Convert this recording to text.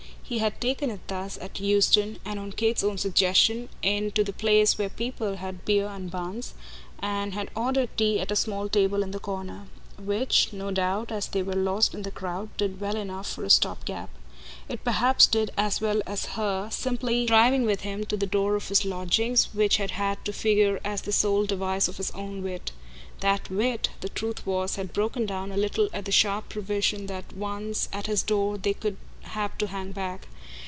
He had taken it thus, at Euston and on Kate's own suggestion into the place where people had beer and buns, and had ordered tea at a small table in the corner; which, no doubt, as they were lost in the crowd, did well enough for a stop gap. It perhaps did as well as her simply driving with him to the door of his lodging, which had had to figure as the sole device of his own wit. That wit, the truth was, had broken down a little at the sharp prevision that once at his door they would have to hang back.